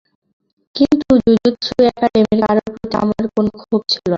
কিন্তু জুজুৎসু একাডেমীর কারো প্রতি আমার কখনো ক্ষোভ ছিলো না।